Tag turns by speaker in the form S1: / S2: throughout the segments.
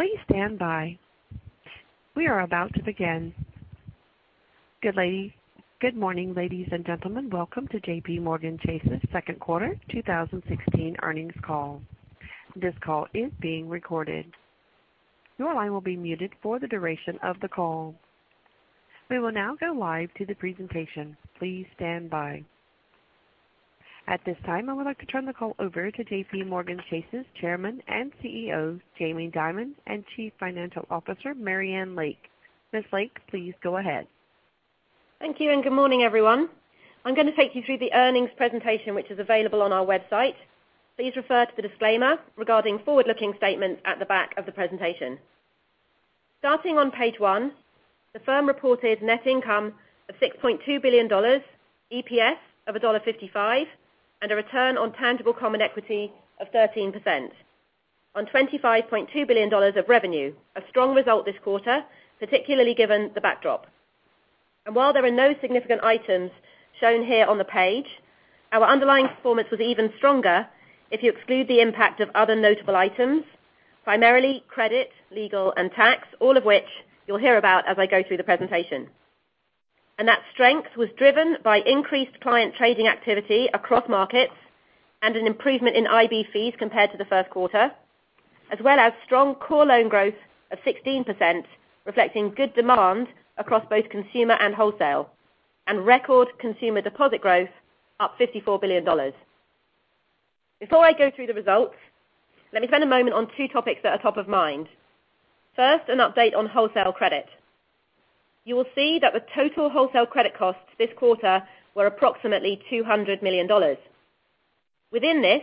S1: Please stand by. We are about to begin. Good morning, ladies and gentlemen. Welcome to JPMorgan Chase's second quarter 2016 earnings call. This call is being recorded. Your line will be muted for the duration of the call. We will now go live to the presentation. Please stand by. At this time, I would like to turn the call over to JPMorgan Chase's Chairman and CEO, Jamie Dimon, and Chief Financial Officer, Marianne Lake. Ms. Lake, please go ahead.
S2: Thank you, and good morning, everyone. I'm going to take you through the earnings presentation, which is available on our website. Please refer to the disclaimer regarding forward-looking statements at the back of the presentation. Starting on page one, the firm reported net income of $6.2 billion, EPS of $1.55, and a return on tangible common equity of 13% on $25.2 billion of revenue. A strong result this quarter, particularly given the backdrop. While there are no significant items shown here on the page, our underlying performance was even stronger if you exclude the impact of other notable items, primarily credit, legal and tax, all of which you'll hear about as I go through the presentation. That strength was driven by increased client trading activity across markets and an improvement in IB fees compared to the first quarter, as well as strong core loan growth of 16%, reflecting good demand across both consumer and wholesale, and record consumer deposit growth up $54 billion. Before I go through the results, let me spend a moment on two topics that are top of mind. First, an update on wholesale credit. You will see that the total wholesale credit costs this quarter were approximately $200 million. Within this,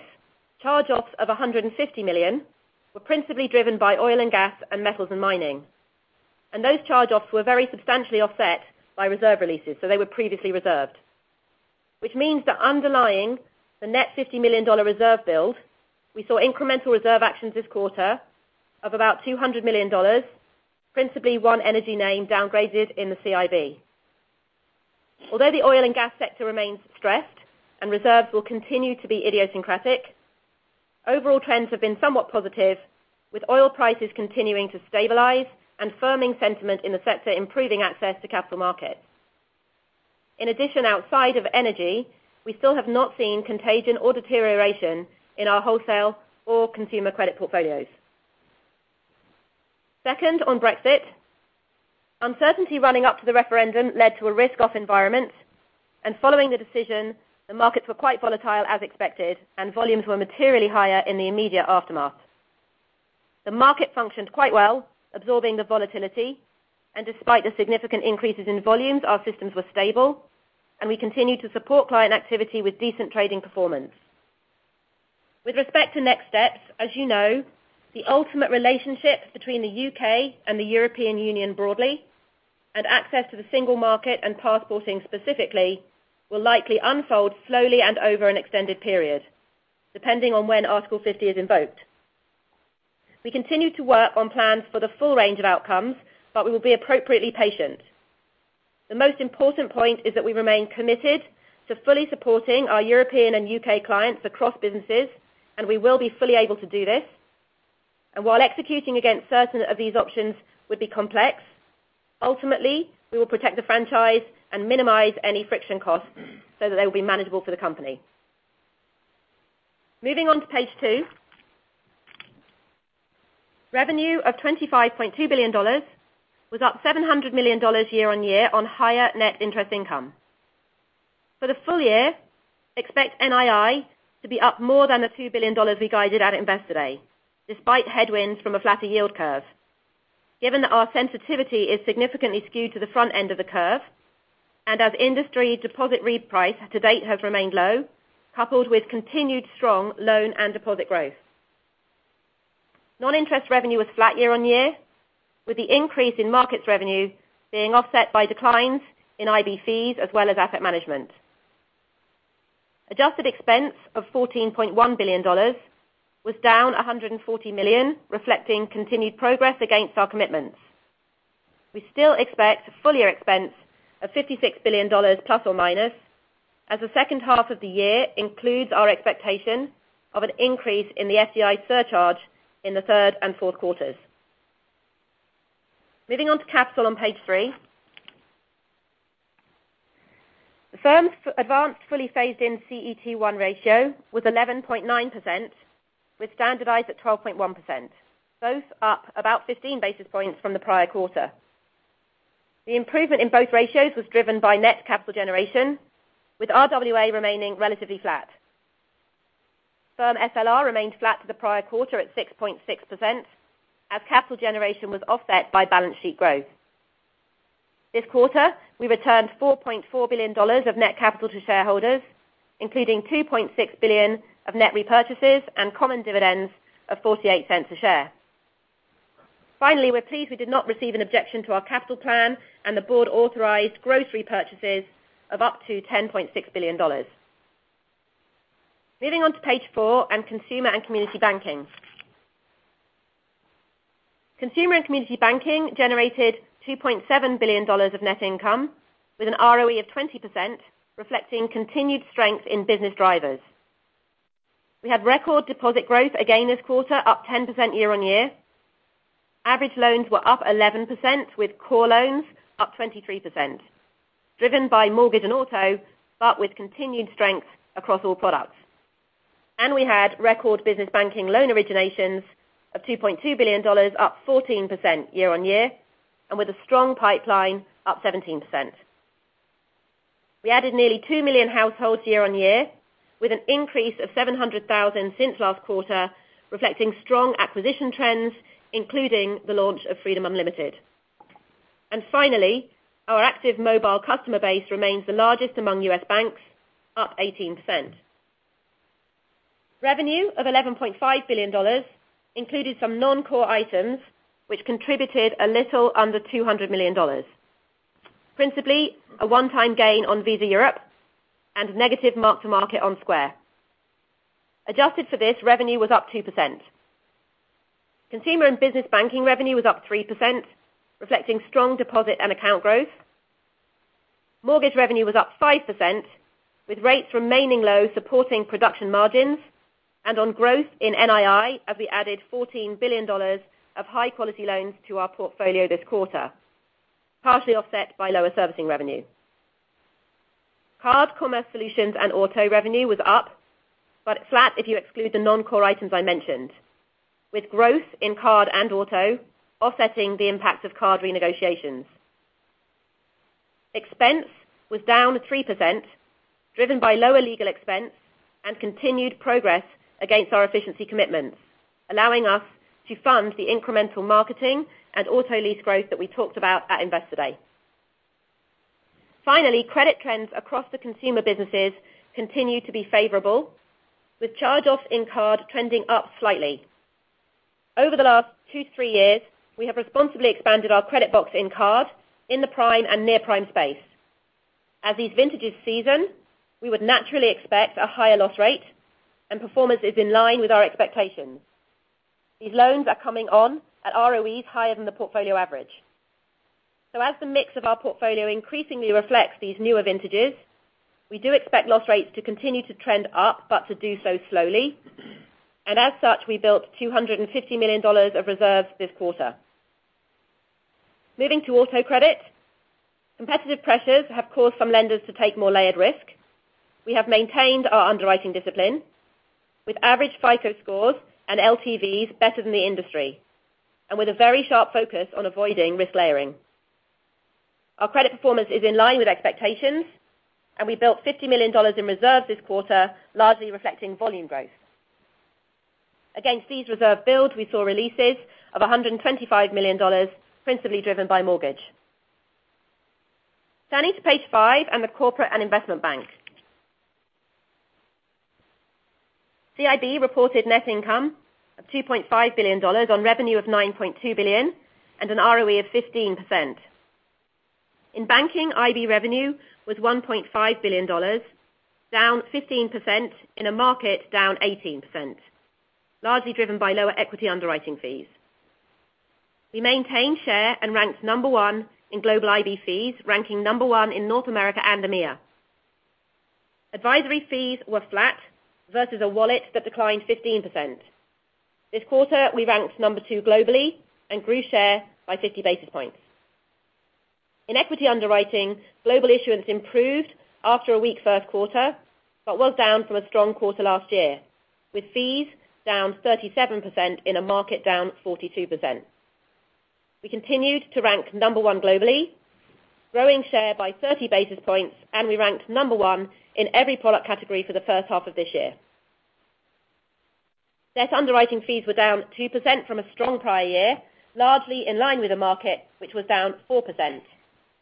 S2: charge-offs of $150 million were principally driven by oil and gas and metals and mining. Those charge-offs were very substantially offset by reserve releases, so they were previously reserved. Which means that underlying the net $50 million reserve build, we saw incremental reserve actions this quarter of about $200 million, principally one energy name downgraded in the CIB. Although the oil and gas sector remains stressed and reserves will continue to be idiosyncratic, overall trends have been somewhat positive, with oil prices continuing to stabilize and firming sentiment in the sector improving access to capital markets. In addition, outside of energy, we still have not seen contagion or deterioration in our wholesale or consumer credit portfolios. Second, on Brexit. Uncertainty running up to the referendum led to a risk-off environment. Following the decision, the markets were quite volatile as expected. Volumes were materially higher in the immediate aftermath. The market functioned quite well, absorbing the volatility. Despite the significant increases in volumes, our systems were stable, and we continued to support client activity with decent trading performance. With respect to next steps, as you know, the ultimate relationship between the U.K. and the European Union broadly, and access to the single market and passporting specifically, will likely unfold slowly and over an extended period, depending on when Article 50 is invoked. We continue to work on plans for the full range of outcomes, but we will be appropriately patient. The most important point is that we remain committed to fully supporting our European and U.K. clients across businesses, and we will be fully able to do this. While executing against certain of these options would be complex, ultimately, we will protect the franchise and minimize any friction costs so that they will be manageable for the company. Moving on to page two. Revenue of $25.2 billion was up $700 million year-on-year on higher net interest income. For the full year, expect NII to be up more than the $2 billion we guided at Investor Day, despite headwinds from a flatter yield curve. Given that our sensitivity is significantly skewed to the front end of the curve, and as industry deposit reprice to date has remained low, coupled with continued strong loan and deposit growth. Non-interest revenue was flat year-on-year, with the increase in markets revenue being offset by declines in IB fees as well as asset management. Adjusted expense of $14.1 billion was down $140 million, reflecting continued progress against our commitments. We still expect full year expense of $56 billion ±, as the second half of the year includes our expectation of an increase in the FDIC surcharge in the third and fourth quarters. Moving on to capital on page three. The firm's advanced fully phased-in CET1 ratio was 11.9%, with standardized at 12.1%, both up about 15 basis points from the prior quarter. The improvement in both ratios was driven by net capital generation, with RWA remaining relatively flat. Firm SLR remained flat to the prior quarter at 6.6%, as capital generation was offset by balance sheet growth. This quarter, we returned $4.4 billion of net capital to shareholders, including $2.6 billion of net repurchases and common dividends of $0.48 a share. Finally, we're pleased we did not receive an objection to our capital plan, and the board authorized gross repurchases of up to $10.6 billion. Moving on to page four on consumer and community banking. Consumer and community banking generated $2.7 billion of net income with an ROE of 20%, reflecting continued strength in business drivers. We had record deposit growth again this quarter, up 10% year-on-year. Average loans were up 11%, with core loans up 23%, driven by mortgage and auto, but with continued strength across all products. We had record business banking loan originations of $2.2 billion, up 14% year-on-year, and with a strong pipeline up 17%. We added nearly 2 million households year-on-year, with an increase of 700,000 since last quarter, reflecting strong acquisition trends, including the launch of Freedom Unlimited. Finally, our active mobile customer base remains the largest among U.S. banks, up 18%. Revenue of $11.5 billion included some non-core items which contributed a little under $200 million, principally a one-time gain on Visa Europe and a negative mark to market on Square. Adjusted for this, revenue was up 2%. Consumer and business banking revenue was up 3%, reflecting strong deposit and account growth. Mortgage revenue was up 5%, with rates remaining low, supporting production margins, and on growth in NII, as we added $14 billion of high-quality loans to our portfolio this quarter, partially offset by lower servicing revenue. Card, commerce solutions, and auto revenue was up, but flat if you exclude the non-core items I mentioned. With growth in card and auto offsetting the impact of card renegotiations. Expense was down 3%, driven by lower legal expense and continued progress against our efficiency commitments, allowing us to fund the incremental marketing and auto lease growth that we talked about at Investor Day. Finally, credit trends across the consumer businesses continue to be favorable, with charge-offs in card trending up slightly. Over the last two, three years, we have responsibly expanded our credit box in card in the prime and near-prime space. As these vintages season, we would naturally expect a higher loss rate, and performance is in line with our expectations. These loans are coming on at ROEs higher than the portfolio average. As the mix of our portfolio increasingly reflects these newer vintages, we do expect loss rates to continue to trend up, but to do so slowly. As such, we built $250 million of reserves this quarter. Moving to auto credit. Competitive pressures have caused some lenders to take more layered risk. We have maintained our underwriting discipline with average FICO scores and LTVs better than the industry, and with a very sharp focus on avoiding risk layering. Our credit performance is in line with expectations. We built $50 million in reserve this quarter, largely reflecting volume growth. Against these reserve builds, we saw releases of $125 million, principally driven by mortgage. Turning to page five and the corporate and investment bank. CIB reported net income of $2.5 billion on revenue of $9.2 billion and an ROE of 15%. In banking, IB revenue was $1.5 billion, down 15% in a market down 18%, largely driven by lower equity underwriting fees. We maintained share and ranked number one in global IB fees, ranking number one in North America and EMEA. Advisory fees were flat versus a wallet that declined 15%. This quarter, we ranked number two globally and grew share by 50 basis points. In equity underwriting, global issuance improved after a weak first quarter but was down from a strong quarter last year, with fees down 37% in a market down 42%. We continued to rank number one globally, growing share by 30 basis points. We ranked number one in every product category for the first half of this year. Net underwriting fees were down 2% from a strong prior year, largely in line with the market, which was down 4%.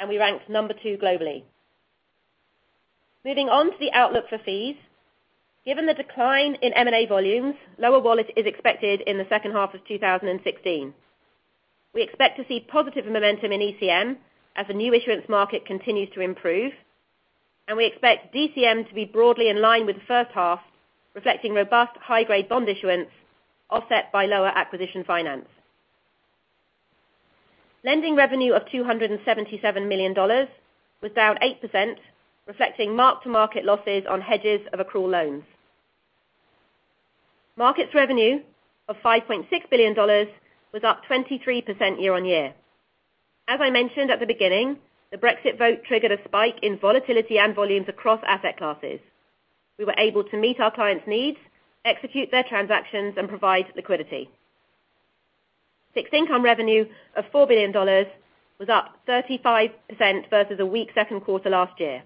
S2: We ranked number two globally. Moving on to the outlook for fees. Given the decline in M&A volumes, lower wallet is expected in the second half of 2016. We expect to see positive momentum in ECM as the new issuance market continues to improve. We expect DCM to be broadly in line with the first half, reflecting robust high-grade bond issuance offset by lower acquisition finance. Lending revenue of $277 million was down 8%, reflecting mark-to-market losses on hedges of accrual loans. Markets revenue of $5.6 billion was up 23% year-on-year. As I mentioned at the beginning, the Brexit vote triggered a spike in volatility and volumes across asset classes. We were able to meet our clients' needs, execute their transactions, and provide liquidity. Fixed income revenue of $4 billion was up 35% versus a weak second quarter last year.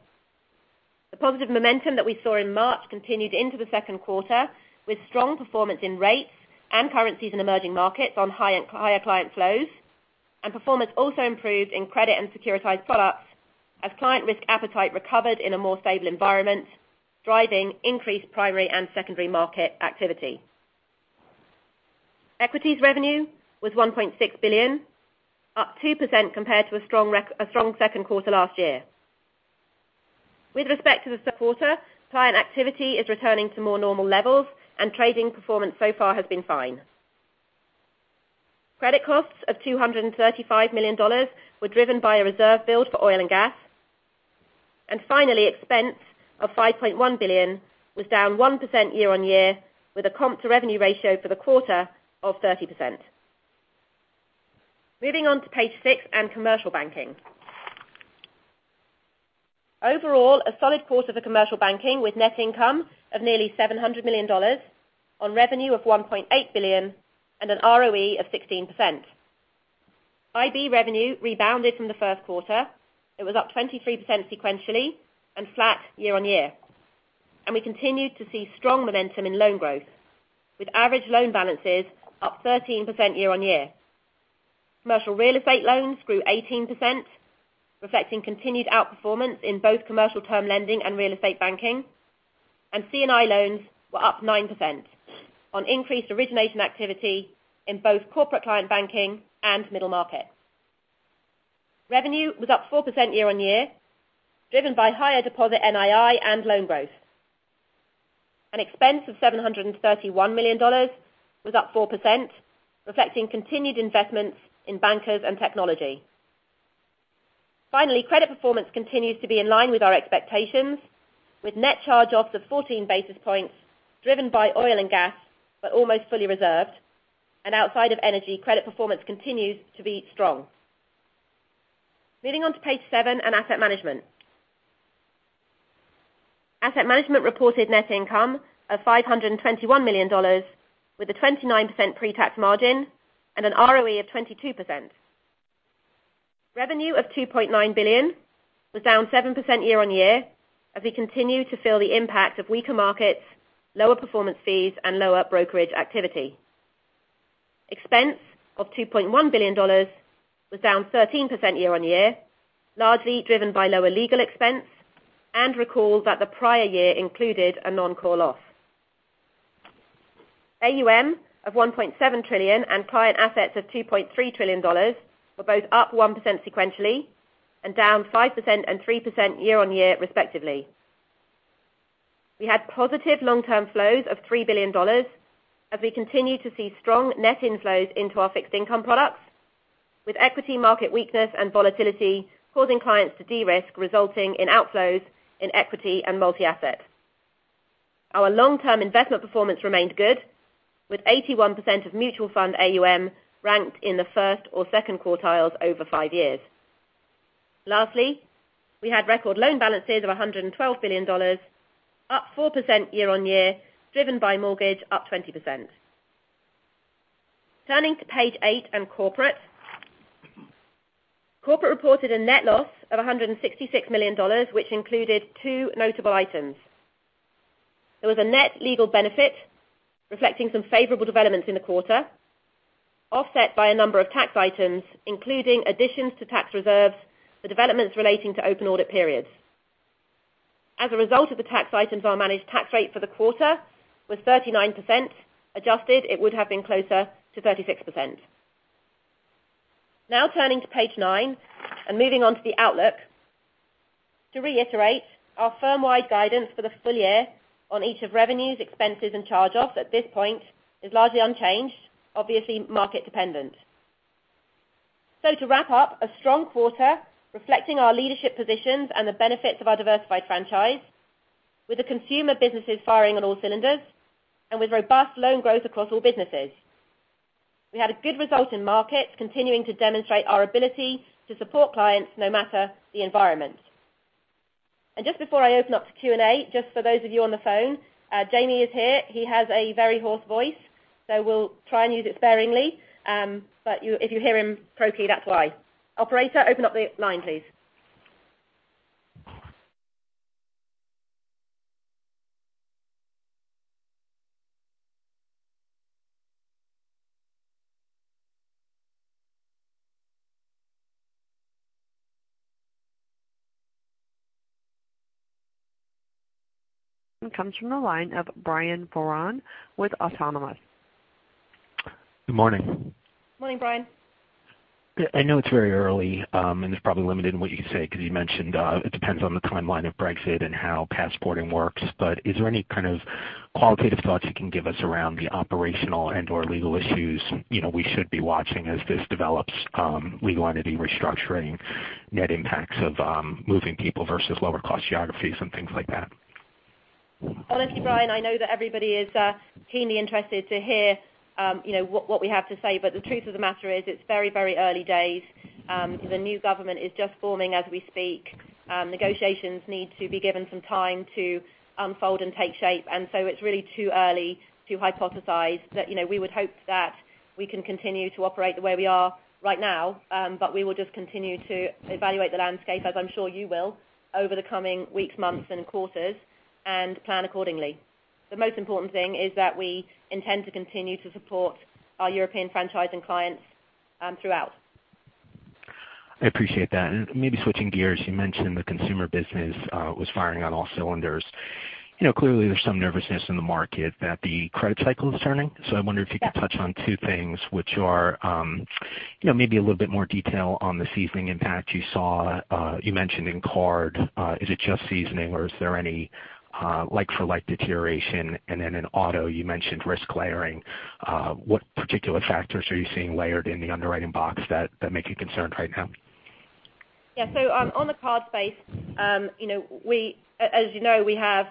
S2: The positive momentum that we saw in March continued into the second quarter, with strong performance in rates and currencies in emerging markets on higher client flows. Performance also improved in credit and securitized products as client risk appetite recovered in a more stable environment, driving increased primary and secondary market activity. Equities revenue was $1.6 billion, up 2% compared to a strong second quarter last year. With respect to the quarter, client activity is returning to more normal levels, and trading performance so far has been fine. Credit costs of $235 million were driven by a reserve build for oil and gas. Finally, expense of $5.1 billion was down 1% year-on-year, with a comp to revenue ratio for the quarter of 30%. Moving on to page six and commercial banking. Overall, a solid quarter for commercial banking with net income of nearly $700 million on revenue of $1.8 billion and an ROE of 16%. IB revenue rebounded from the first quarter. It was up 23% sequentially and flat year-on-year. We continued to see strong momentum in loan growth, with average loan balances up 13% year-on-year. Commercial real estate loans grew 18%, reflecting continued outperformance in both commercial term lending and real estate banking. C&I loans were up 9% on increased origination activity in both corporate client banking and middle market. Revenue was up 4% year-on-year, driven by higher deposit NII and loan growth. An expense of $731 million was up 4%, reflecting continued investments in bankers and technology. Finally, credit performance continues to be in line with our expectations, with net charge-offs of 14 basis points driven by oil and gas, but almost fully reserved. Outside of energy, credit performance continues to be strong. Moving on to page seven and asset management. Asset management reported net income of $521 million, with a 29% pretax margin and an ROE of 22%. Revenue of $2.9 billion was down 7% year-on-year, as we continue to feel the impact of weaker markets, lower performance fees, and lower brokerage activity. Expense of $2.1 billion was down 13% year-on-year, largely driven by lower legal expense and recall that the prior year included a non call off. AUM of $1.7 trillion and client assets of $2.3 trillion were both up 1% sequentially and down 5% and 3% year-on-year respectively. We had positive long-term flows of $3 billion as we continue to see strong net inflows into our fixed income products, with equity market weakness and volatility causing clients to de-risk, resulting in outflows in equity and multi-asset. Our long-term investment performance remained good, with 81% of mutual fund AUM ranked in the first or second quartiles over five years. Lastly, we had record loan balances of $112 billion, up 4% year-on-year driven by mortgage up 20%. Turning to page eight and corporate. Corporate reported a net loss of $166 million, which included two notable items. There was a net legal benefit reflecting some favorable developments in the quarter, offset by a number of tax items, including additions to tax reserves for developments relating to open audit periods. As a result of the tax items, our managed tax rate for the quarter was 39%. Adjusted, it would have been closer to 36%. Turning to page nine and moving on to the outlook. To reiterate our firm-wide guidance for the full year on each of revenues, expenses, and charge-offs at this point is largely unchanged, obviously market dependent. To wrap up, a strong quarter reflecting our leadership positions and the benefits of our diversified franchise, with the consumer businesses firing on all cylinders and with robust loan growth across all businesses. We had a good result in markets continuing to demonstrate our ability to support clients no matter the environment. Just before I open up to Q&A, just for those of you on the phone, Jamie is here. He has a very hoarse voice, so we'll try and use it sparingly. If you hear him croaky, that's why. Operator, open up the line, please.
S1: Comes from the line of Brian Foran with Autonomous.
S3: Good morning.
S2: Morning, Brian.
S3: I know it's very early, it's probably limited in what you can say because you mentioned it depends on the timeline of Brexit and how passporting works. Is there any kind of qualitative thoughts you can give us around the operational and/or legal issues we should be watching as this develops, legal entity restructuring, net impacts of moving people versus lower cost geographies and things like that?
S2: Honestly, Brian, I know that everybody is keenly interested to hear what we have to say, the truth of the matter is it's very, very early days. The new government is just forming as we speak. Negotiations need to be given some time to unfold and take shape, it's really too early to hypothesize. We would hope that we can continue to operate the way we are right now. We will just continue to evaluate the landscape, as I'm sure you will, over the coming weeks, months, and quarters, and plan accordingly. The most important thing is that we intend to continue to support our European franchise and clients throughout.
S3: I appreciate that. Maybe switching gears, you mentioned the consumer business was firing on all cylinders. Clearly there's some nervousness in the market that the credit cycle is turning.
S2: Yes.
S3: I wonder if you could touch on two things, which are maybe a little bit more detail on the seasoning impact you saw, you mentioned in card. Is it just seasoning or is there any like for like deterioration? Then in auto, you mentioned risk layering. What particular factors are you seeing layered in the underwriting box that make you concerned right now?
S2: On the card space, as you know we have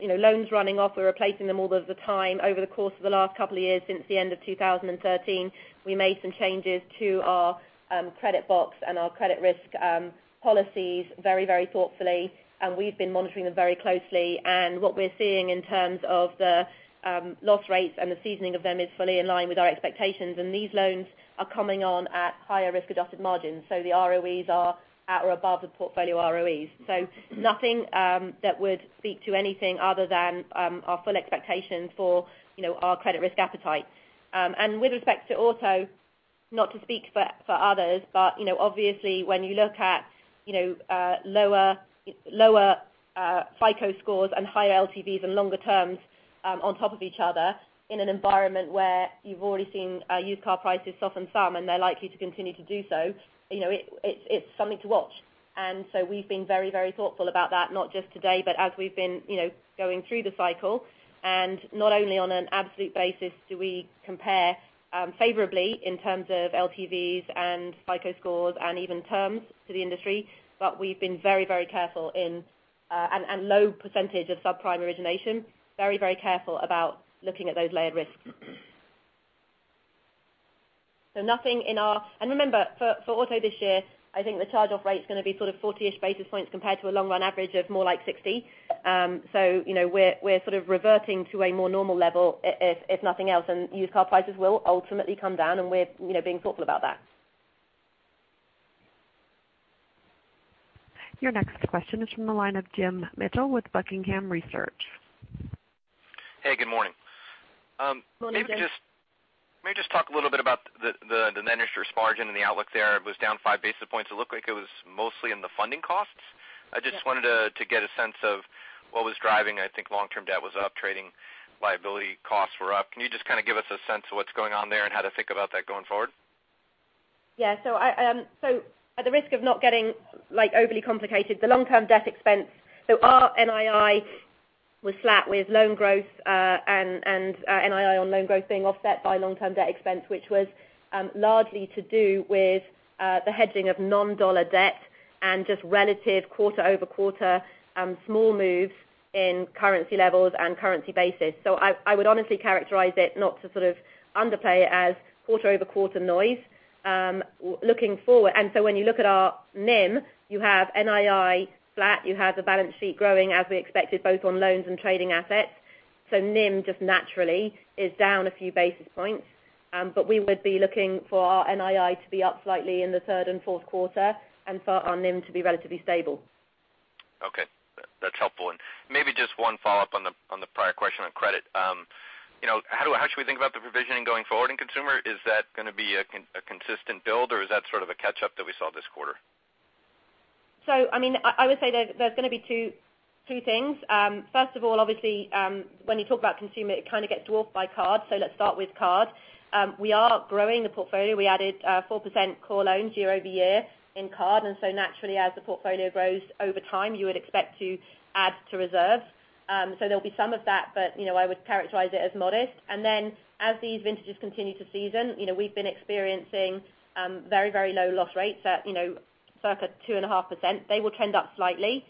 S2: loans running off. We're replacing them all the time over the course of the last couple of years since the end of 2013. We made some changes to our credit box and our credit risk policies very thoughtfully, we've been monitoring them very closely. What we're seeing in terms of the loss rates and the seasoning of them is fully in line with our expectations. These loans are coming on at higher risk-adjusted margins. The ROEs are at or above the portfolio ROEs. Nothing that would speak to anything other than our full expectation for our credit risk appetite. With respect to auto, not to speak for others, but obviously when you look at lower FICO scores and higher LTVs and longer terms on top of each other in an environment where you've already seen used car prices soften some and they're likely to continue to do so, it's something to watch. We've been very thoughtful about that, not just today, but as we've been going through the cycle. Not only on an absolute basis do we compare favorably in terms of LTVs and FICO scores and even terms to the industry, but we've been very careful in a low percentage of subprime origination. Very careful about looking at those layered risks. Remember, for auto this year, I think the charge-off rate's going to be 40-ish basis points compared to a long-run average of more like 60. We're reverting to a more normal level if nothing else, used car prices will ultimately come down, we're being thoughtful about that.
S1: Your next question is from the line of Jim Mitchell with Buckingham Research.
S4: Hey, good morning.
S2: Morning, Jim.
S4: Maybe just talk a little bit about the net interest margin and the outlook there. It was down five basis points. It looked like it was mostly in the funding costs.
S2: Yeah.
S4: I just wanted to get a sense of what was driving. I think long-term debt was up, trading liability costs were up. Can you just give us a sense of what's going on there and how to think about that going forward?
S2: Yeah. At the risk of not getting overly complicated, the long-term debt expense, our NII was flat with loan growth and NII on loan growth being offset by long-term debt expense, which was largely to do with the hedging of non-dollar debt and just relative quarter-over-quarter small moves in currency levels and currency basis. I would honestly characterize it, not to underplay it as quarter-over-quarter noise. Looking forward, when you look at our NIM, you have NII flat, you have the balance sheet growing as we expected, both on loans and trading assets. NIM just naturally is down a few basis points. We would be looking for our NII to be up slightly in the third and fourth quarter and for our NIM to be relatively stable.
S4: Okay. That's helpful. Maybe just one follow-up on the prior question on credit. How should we think about the provisioning going forward in consumer? Is that going to be a consistent build or is that sort of a catch-up that we saw this quarter?
S2: I would say there's going to be two things. First of all, obviously, when you talk about consumer, it kind of gets dwarfed by card. Let's start with card. We are growing the portfolio. We added 4% core loans year-over-year in card, naturally, as the portfolio grows over time, you would expect to add to reserve. There'll be some of that, but I would characterize it as modest. As these vintages continue to season, we've been experiencing very low loss rates at circa 2.5%. They will trend up slightly,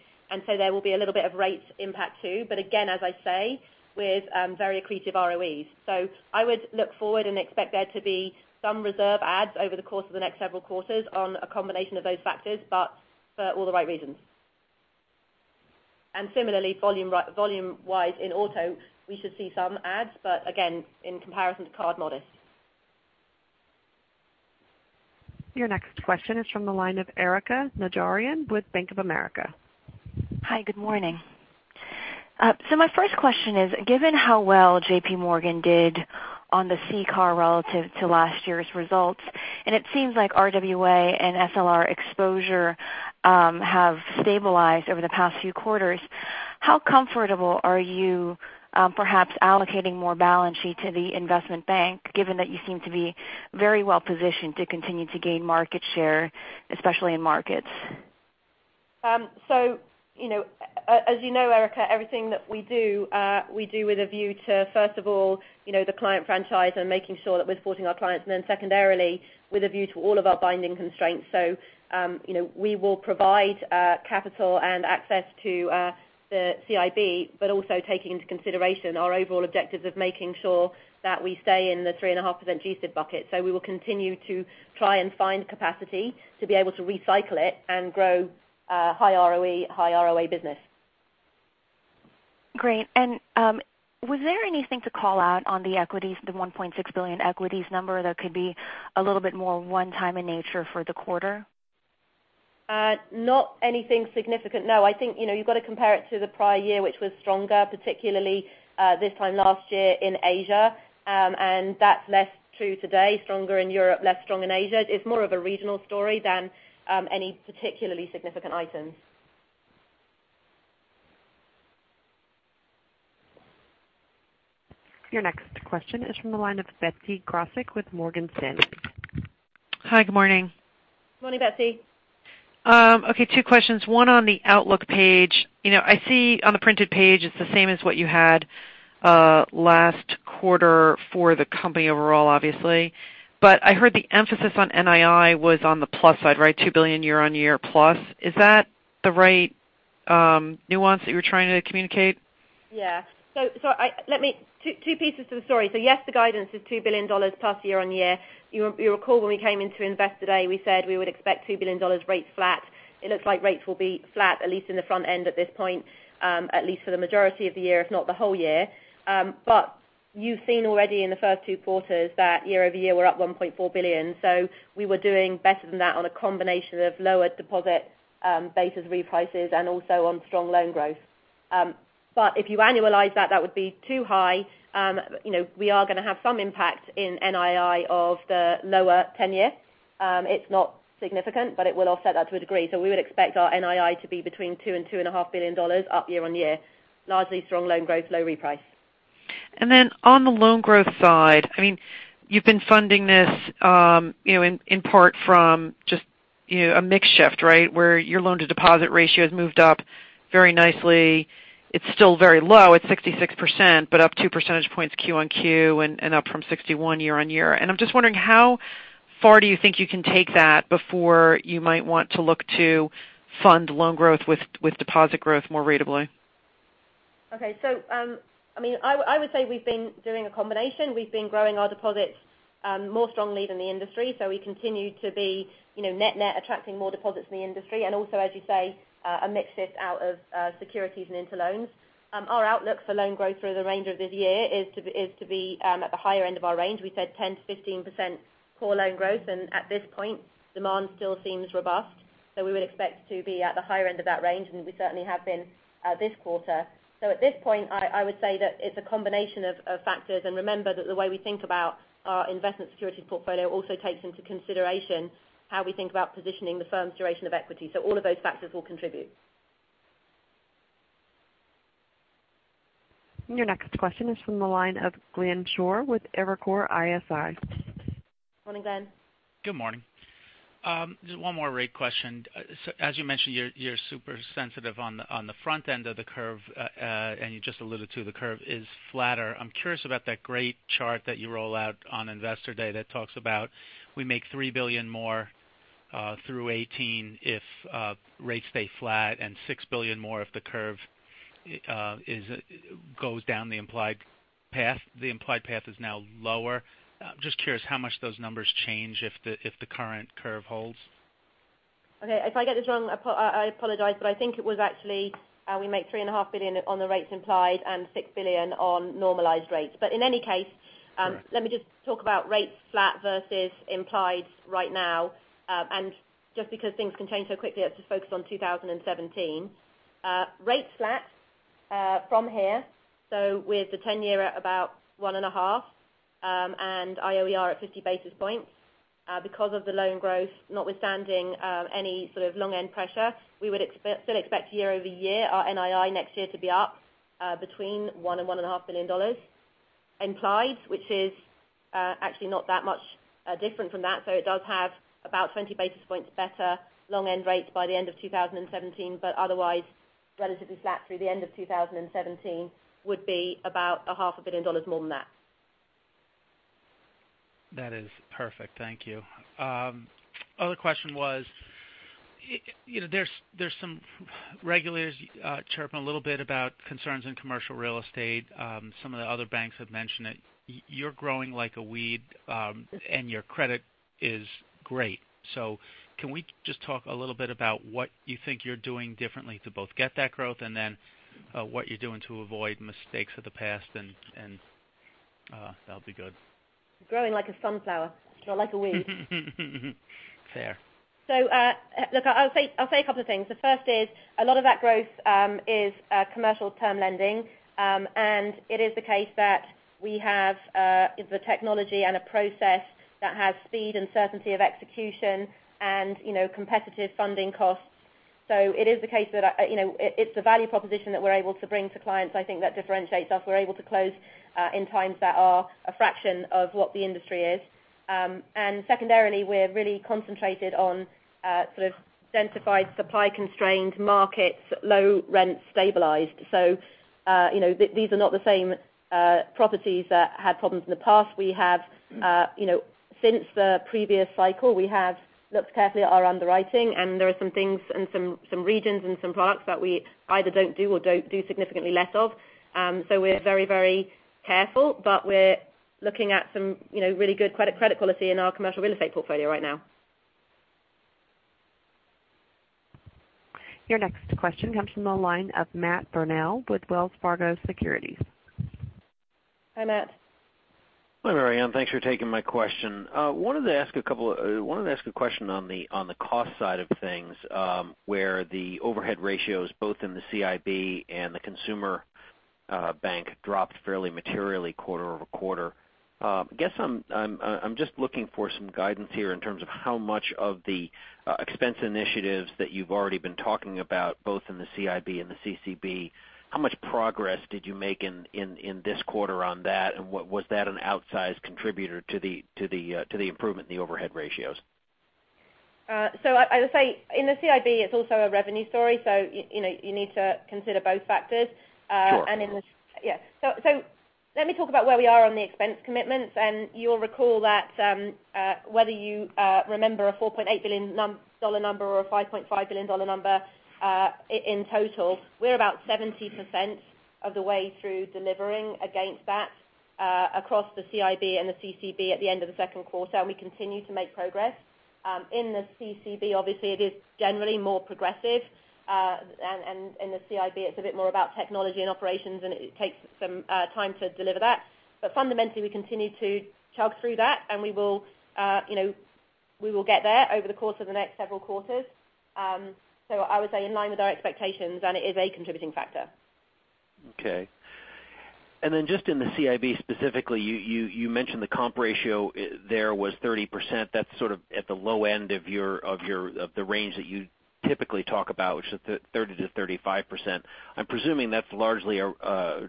S2: there will be a little bit of rate impact too, but again, as I say, with very accretive ROEs. I would look forward and expect there to be some reserve adds over the course of the next several quarters on a combination of those factors, but for all the right reasons. Similarly, volume-wise in auto, we should see some adds, but again, in comparison to card, modest.
S1: Your next question is from the line of Erika Najarian with Bank of America.
S5: Hi, good morning. My first question is, given how well JPMorgan did on the CCAR relative to last year's results, and it seems like RWA and SLR exposure have stabilized over the past few quarters, how comfortable are you perhaps allocating more balance sheet to the investment bank, given that you seem to be very well-positioned to continue to gain market share, especially in markets?
S2: As you know, Erika, everything that we do, we do with a view to, first of all, the client franchise and making sure that we're supporting our clients, and then secondarily, with a view to all of our binding constraints. We will provide capital and access to the CIB, but also taking into consideration our overall objectives of making sure that we stay in the 3.5% G-SIB bucket. We will continue to try and find capacity to be able to recycle it and grow high ROE, high ROA business.
S5: Great. Was there anything to call out on the equities, the $1.6 billion equities number that could be a little bit more one time in nature for the quarter?
S2: Not anything significant, no. I think you've got to compare it to the prior year, which was stronger, particularly this time last year in Asia. That's less true today. Stronger in Europe, less strong in Asia. It's more of a regional story than any particularly significant items.
S1: Your next question is from the line of Betsy Graseck with Morgan Stanley.
S6: Hi, good morning.
S2: Morning, Betsy.
S6: Okay, two questions. One on the outlook page. I see on the printed page it's the same as what you had last quarter for the company overall, obviously. I heard the emphasis on NII was on the plus side, right? $2 billion year-on-year plus. Is that the right nuance that you were trying to communicate?
S2: Yeah. Two pieces to the story. Yes, the guidance is $2 billion plus year-on-year. You recall when we came into Investor Day, we said we would expect $2 billion rates flat. It looks like rates will be flat, at least in the front end at this point, at least for the majority of the year, if not the whole year. You've seen already in the first two quarters that year-over-year we're up $1.4 billion. We were doing better than that on a combination of lower deposit basis reprices and also on strong loan growth. If you annualize that would be too high. We are going to have some impact in NII of the lower 10-year. It's not significant, but it will offset that to a degree. We would expect our NII to be between $2 billion and $2.5 billion up year-on-year. Largely strong loan growth, low reprice.
S6: On the loan growth side, you've been funding this in part from just a mix shift, right? Where your loan to deposit ratio has moved up very nicely. It's still very low at 66%, but up two percentage points quarter-on-quarter and up from 61% year-over-year. I'm just wondering, how far do you think you can take that before you might want to look to fund loan growth with deposit growth more ratably?
S2: Okay. I would say we've been doing a combination. We've been growing our deposits more strongly than the industry. We continue to be net-net attracting more deposits in the industry, and also, as you say, a mix shift out of securities and into loans. Our outlook for loan growth through the range of this year is to be at the higher end of our range. We said 10%-15% core loan growth, and at this point, demand still seems robust. We would expect to be at the higher end of that range, and we certainly have been this quarter. At this point, I would say that it's a combination of factors. Remember that the way we think about our investment securities portfolio also takes into consideration how we think about positioning the firm's duration of equity. All of those factors will contribute.
S1: Your next question is from the line of Glenn Schorr with Evercore ISI.
S2: Morning, Glenn.
S7: Good morning. Just one more rate question. As you mentioned, you're super sensitive on the front end of the curve, and you just alluded to the curve is flatter. I'm curious about that great chart that you roll out on Investor Day that talks about we make $3 billion more through 2018 if rates stay flat and $6 billion more if the curve goes down the implied path. The implied path is now lower. Just curious how much those numbers change if the current curve holds.
S2: Okay. If I get this wrong, I apologize, I think it was actually we make $3.5 billion on the rates implied and $6 billion on normalized rates. In any case.
S7: Right
S2: let me just talk about rates flat versus implied right now. Just because things can change so quickly, I'll just focus on 2017. Rates flat from here. With the 10-year at about one and a half and IOER at 50 basis points. Because of the loan growth, notwithstanding any sort of long-end pressure, we would still expect year-over-year our NII next year to be up between $1 and $1.5 billion implied, which is actually not that much different from that. It does have about 20 basis points better long-end rates by the end of 2017, but otherwise relatively flat through the end of 2017 would be about a half a billion dollars more than that.
S7: That is perfect. Thank you. Other question was, there's some regulators chirping a little bit about concerns in commercial real estate. Some of the other banks have mentioned it. You're growing like a weed and your credit is great. Can we just talk a little bit about what you think you're doing differently to both get that growth and then what you're doing to avoid mistakes of the past and that'll be good.
S2: Growing like a sunflower. Not like a weed.
S7: Fair.
S2: Look, I'll say a couple of things. The first is a lot of that growth is commercial term lending. It is the case that we have the technology and a process that has speed and certainty of execution and competitive funding costs. It is the case that it's the value proposition that we're able to bring to clients, I think that differentiates us. We're able to close in times that are a fraction of what the industry is. Secondarily, we're really concentrated on sort of densified supply-constrained markets, low rent stabilized. These are not the same properties that had problems in the past. Since the previous cycle, we have looked carefully at our underwriting, and there are some things and some regions and some products that we either don't do or do significantly less of. We're very careful, but we're looking at some really good credit quality in our commercial real estate portfolio right now.
S1: Your next question comes from the line of Matthew Burnell with Wells Fargo Securities.
S2: Hi, Matt.
S8: Hi, Marianne. Thanks for taking my question. I wanted to ask a question on the cost side of things, where the overhead ratios, both in the CIB and the consumer bank dropped fairly materially quarter-over-quarter. I guess I'm just looking for some guidance here in terms of how much of the expense initiatives that you've already been talking about, both in the CIB and the CCB. How much progress did you make in this quarter on that, and was that an outsized contributor to the improvement in the overhead ratios?
S2: I would say in the CIB, it's also a revenue story, so you need to consider both factors.
S8: Sure.
S2: Yeah. Let me talk about where we are on the expense commitments, and you'll recall that, whether you remember a $4.8 billion number or a $5.5 billion number, in total, we're about 70% of the way through delivering against that across the CIB and the CCB at the end of the second quarter, and we continue to make progress. In the CCB, obviously, it is generally more progressive. In the CIB, it's a bit more about technology and operations, and it takes some time to deliver that. Fundamentally, we continue to chug through that, and we will get there over the course of the next several quarters. I would say in line with our expectations, and it is a contributing factor.
S8: Okay. Just in the CIB, specifically, you mentioned the comp ratio there was 30%. That's at the low end of the range that you typically talk about, which is 30%-35%. I'm presuming that's largely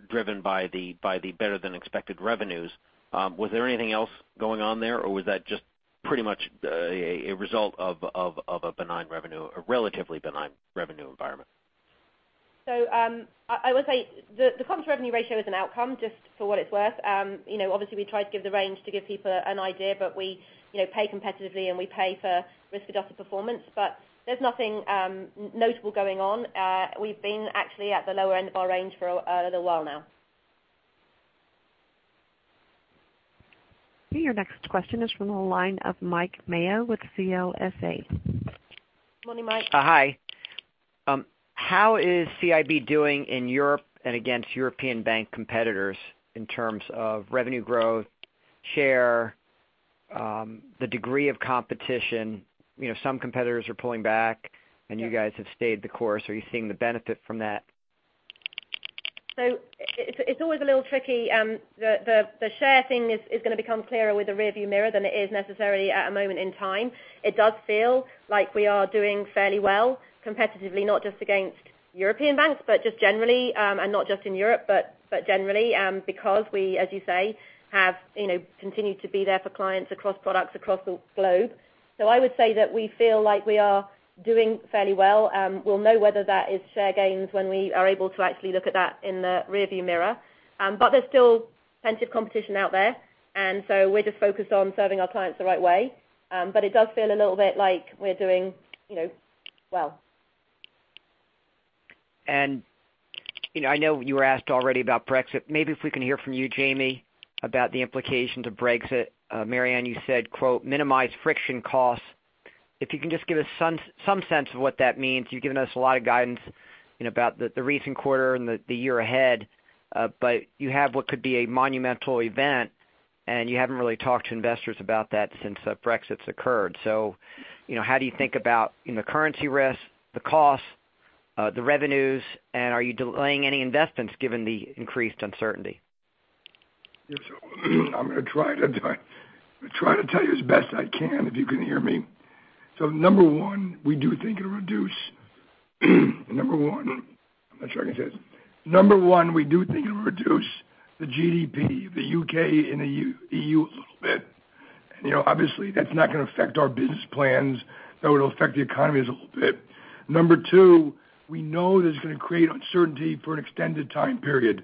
S8: driven by the better than expected revenues. Was there anything else going on there, or was that just pretty much a result of a benign revenue or relatively benign revenue environment?
S2: I would say the comp to revenue ratio is an outcome, just for what it's worth. Obviously, we try to give the range to give people an idea, but we pay competitively, and we pay for risk-adjusted performance. There's nothing notable going on. We've been actually at the lower end of our range for a little while now.
S1: Okay, your next question is from the line of Mike Mayo with CLSA.
S2: Morning, Mike.
S9: Hi. How is CIB doing in Europe and against European bank competitors in terms of revenue growth, share, the degree of competition? Some competitors are pulling back-
S2: Sure
S9: You guys have stayed the course. Are you seeing the benefit from that?
S2: It's always a little tricky. The share thing is going to become clearer with a rear view mirror than it is necessarily at a moment in time. It does feel like we are doing fairly well competitively, not just against European banks, but just generally. Not just in Europe, but generally, because we, as you say, have continued to be there for clients across products across the globe. I would say that we feel like we are doing fairly well. We'll know whether that is share gains when we are able to actually look at that in the rear view mirror. There's still plenty of competition out there, and so we're just focused on serving our clients the right way. It does feel a little bit like we're doing well.
S9: I know you were asked already about Brexit. Maybe if we can hear from you, Jamie, about the implications of Brexit. Marianne, you said, quote, "Minimize friction costs." If you can just give us some sense of what that means. You've given us a lot of guidance about the recent quarter and the year ahead. You have what could be a monumental event, and you haven't really talked to investors about that since Brexit's occurred. How do you think about the currency risks, the costs, the revenues, and are you delaying any investments given the increased uncertainty?
S10: Yes. I'm going to try to tell you as best I can if you can hear me. Number one, we do think it'll reduce. Number one, I'm not sure I can say this. Number one, we do think it'll reduce the GDP of the U.K. and the EU a little bit. Obviously, that's not going to affect our business plans, though it'll affect the economies a little bit. Number two, we know that it's going to create uncertainty for an extended time period.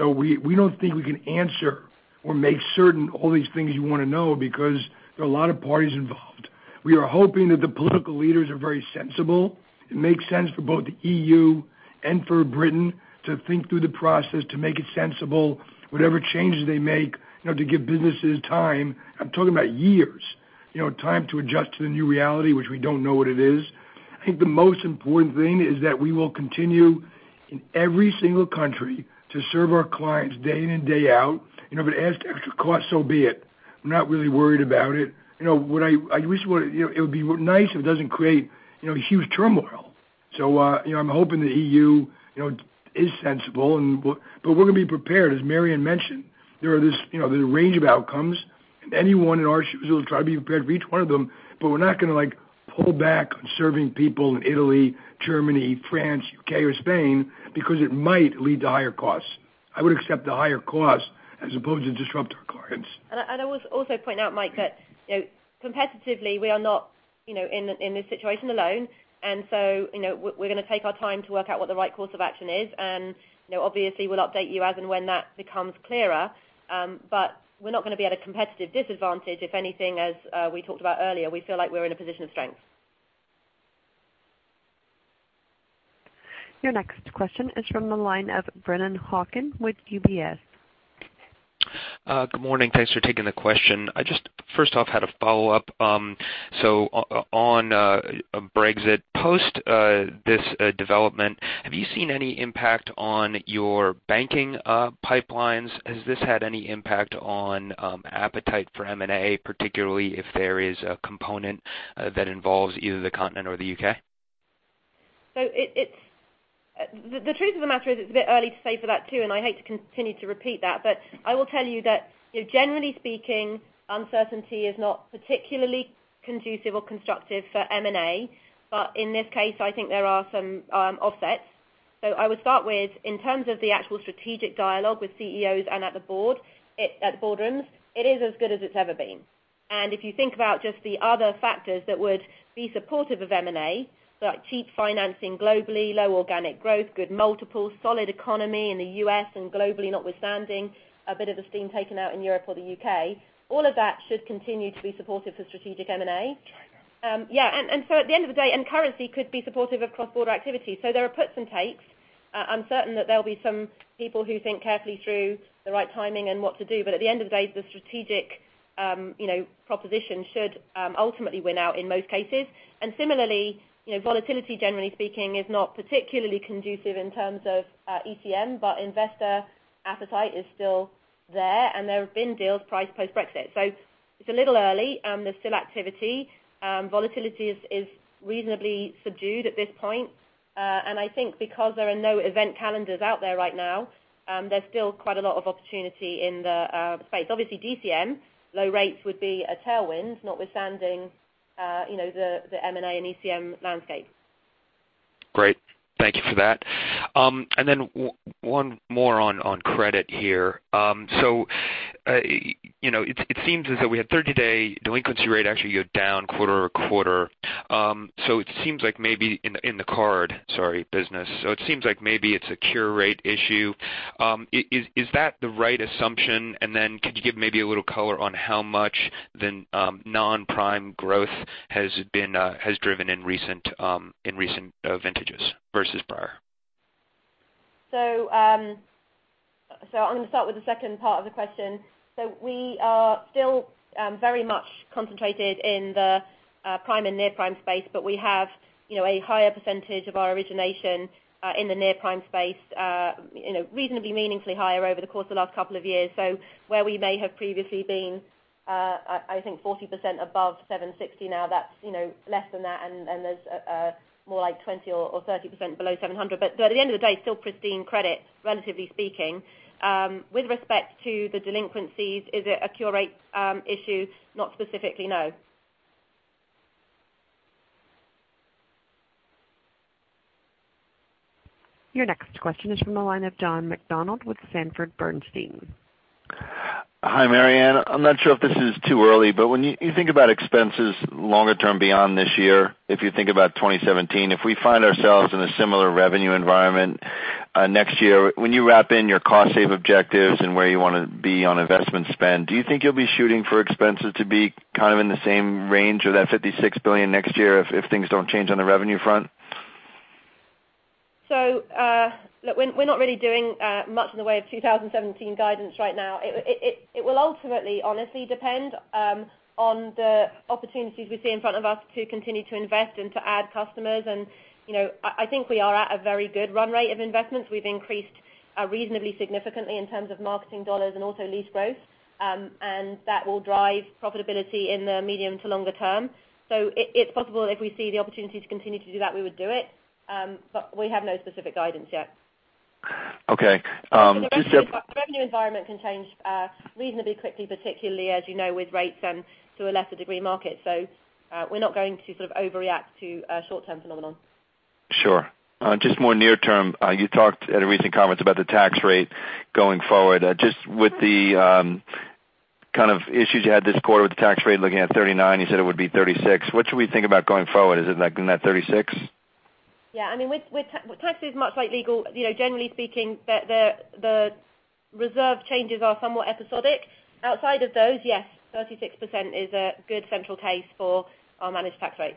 S10: We don't think we can answer or make certain all these things you want to know because there are a lot of parties involved. We are hoping that the political leaders are very sensible. It makes sense for both the EU and for Britain to think through the process, to make it sensible, whatever changes they make, to give businesses time. I'm talking about years, time to adjust to the new reality, which we don't know what it is. I think the most important thing is that we will continue in every single country to serve our clients day in and day out. If it adds extra cost, so be it. I'm not really worried about it. It would be nice if it doesn't create huge turmoil. I'm hoping the EU is sensible, we're going to be prepared, as Marianne mentioned. There's a range of outcomes, anyone in our shoes will try to be prepared for each one of them. We're not going to pull back on serving people in Italy, Germany, France, U.K., or Spain because it might lead to higher costs. I would accept the higher cost as opposed to disrupt our clients.
S2: I would also point out, Mike, that competitively, we are not in this situation alone. We're going to take our time to work out what the right course of action is. Obviously, we'll update you as and when that becomes clearer. We're not going to be at a competitive disadvantage. If anything, as we talked about earlier, we feel like we're in a position of strength.
S1: Your next question is from the line of Brennan Hawken with UBS.
S11: Good morning. Thanks for taking the question. I just, first off, had a follow-up. On Brexit, post this development, have you seen any impact on your banking pipelines? Has this had any impact on appetite for M&A, particularly if there is a component that involves either the continent or the U.K.?
S2: The truth of the matter is it's a bit early to say for that, too, and I hate to continue to repeat that. I will tell you that generally speaking, uncertainty is not particularly conducive or constructive for M&A. In this case, I think there are some offsets. I would start with, in terms of the actual strategic dialogue with CEOs and at the boardrooms, it is as good as it's ever been. If you think about just the other factors that would be supportive of M&A, like cheap financing globally, low organic growth, good multiples, solid economy in the U.S. and globally, notwithstanding a bit of the steam taken out in Europe or the U.K. All of that should continue to be supportive to strategic M&A.
S10: China.
S2: At the end of the day, currency could be supportive of cross-border activity. There are puts and takes. I'm certain that there'll be some people who think carefully through the right timing and what to do. At the end of the day, the strategic proposition should ultimately win out in most cases. Similarly, volatility, generally speaking, is not particularly conducive in terms of ECM, but investor appetite is still there, and there have been deals priced post-Brexit. It's a little early. There's still activity. Volatility is reasonably subdued at this point. I think because there are no event calendars out there right now, there's still quite a lot of opportunity in the space. Obviously DCM, low rates would be a tailwind, notwithstanding the M&A and ECM landscape.
S11: Great. Thank you for that. Then one more on credit here. It seems as though we had 30-day delinquency rate actually go down quarter-over-quarter. It seems like maybe in the card, sorry, business. It seems like maybe it's a cure rate issue. Is that the right assumption? Then could you give maybe a little color on how much the non-prime growth has driven in recent vintages versus prior?
S2: I'm going to start with the second part of the question. We are still very much concentrated in the prime and near-prime space, but we have a higher percentage of our origination in the near-prime space reasonably meaningfully higher over the course of the last couple of years. Where we may have previously been I think 40% above 760, now that's less than that, and there's more like 20% or 30% below 700. At the end of the day, still pristine credit, relatively speaking. With respect to the delinquencies, is it a cure rate issue? Not specifically, no.
S1: Your next question is from the line of John McDonald with Sanford Bernstein.
S12: Hi, Marianne. I'm not sure if this is too early, when you think about expenses longer term beyond this year, if you think about 2017, if we find ourselves in a similar revenue environment next year, when you wrap in your cost save objectives and where you want to be on investment spend, do you think you'll be shooting for expenses to be kind of in the same range of that $56 billion next year if things don't change on the revenue front?
S2: Look, we're not really doing much in the way of 2017 guidance right now. It will ultimately, honestly depend on the opportunities we see in front of us to continue to invest and to add customers. I think we are at a very good run rate of investments. We've increased reasonably significantly in terms of marketing dollars and also lease growth. That will drive profitability in the medium to longer term. It's possible if we see the opportunity to continue to do that, we would do it. We have no specific guidance yet.
S12: Okay.
S2: The revenue environment can change reasonably quickly, particularly, as you know, with rates and to a lesser degree, market. We're not going to sort of overreact to a short-term phenomenon.
S12: Sure. Just more near term. You talked at a recent conference about the tax rate going forward. Just with the kind of issues you had this quarter with the tax rate, looking at 39, you said it would be 36. What should we think about going forward? Is it like in that 36?
S2: Yeah. I mean, with taxes, much like legal, generally speaking, the reserve changes are somewhat episodic. Outside of those, yes, 36% is a good central case for our managed tax rate.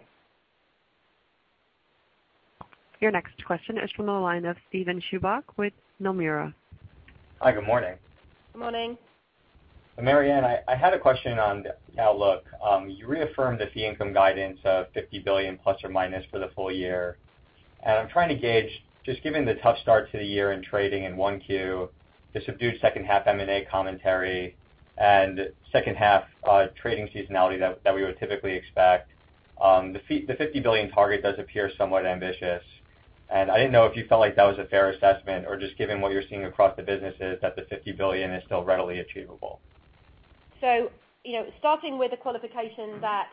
S1: Your next question is from the line of Steven Chubak with Nomura.
S13: Hi, good morning.
S2: Good morning.
S13: Marianne, I had a question on the outlook. You reaffirmed the fee income guidance of $50 billion ± for the full year. I'm trying to gauge, just given the tough start to the year in trading in 1Q, the subdued second half M&A commentary and second half trading seasonality that we would typically expect. The $50 billion target does appear somewhat ambitious. I didn't know if you felt like that was a fair assessment or just given what you're seeing across the businesses, that the $50 billion is still readily achievable.
S2: Starting with the qualification that,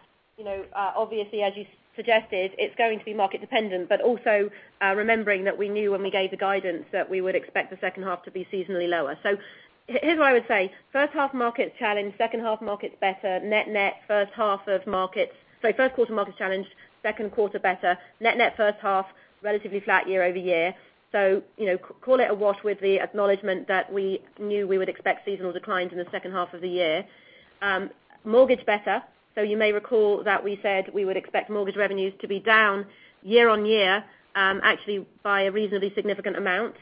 S2: obviously as you suggested, it's going to be market dependent, but also remembering that we knew when we gave the guidance that we would expect the second half to be seasonally lower. Here's what I would say. First half market's challenged, second half market's better. Net net first half of markets Sorry, first quarter market's challenged, second quarter better. Net net first half, relatively flat year-over-year. Call it a wash with the acknowledgment that we knew we would expect seasonal declines in the second half of the year. Mortgage better. You may recall that we said we would expect mortgage revenues to be down year-on-year, actually by a reasonably significant amount.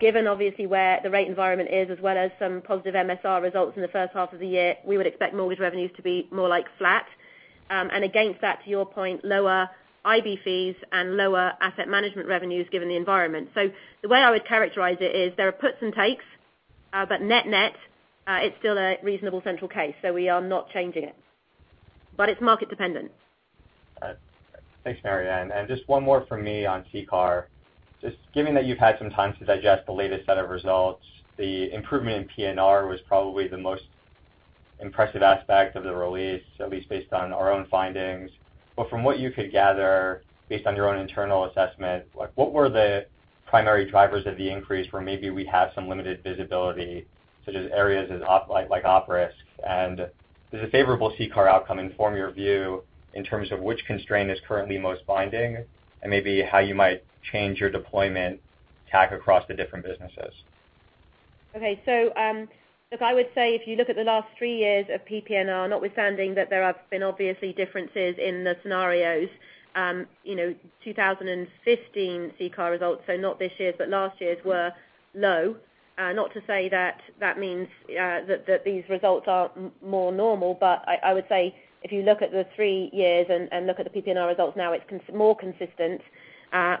S2: Given obviously where the rate environment is as well as some positive MSR results in the first half of the year, we would expect mortgage revenues to be more like flat. Against that, to your point, lower IB fees and lower asset management revenues given the environment. The way I would characterize it is there are puts and takes. Net net, it's still a reasonable central case, we are not changing it. It's market dependent.
S13: Thanks, Marianne. Just one more from me on CCAR. Just given that you've had some time to digest the latest set of results, the improvement in PPNR was probably the most impressive aspect of the release, at least based on our own findings. From what you could gather, based on your own internal assessment, what were the primary drivers of the increase where maybe we have some limited visibility, such as areas like op risk? Does a favorable CCAR outcome inform your view in terms of which constraint is currently most binding, and maybe how you might change your deployment tack across the different businesses?
S2: Okay. Look, I would say if you look at the last three years of PPNR, notwithstanding that there have been obviously differences in the scenarios. 2015 CCAR results, not this year's but last year's, were low. Not to say that means that these results are more normal, I would say if you look at the three years and look at the PPNR results now, it's more consistent